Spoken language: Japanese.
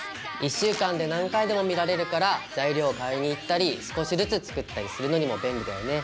１週間で何回でも見られるから材料を買いに行ったり少しずつ作ったりするのにも便利だよね！